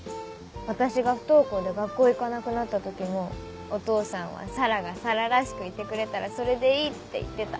私が不登校で学校行かなくなった時もお父さんは「紗良が紗良らしくいてくれたらそれでいい」って言ってた。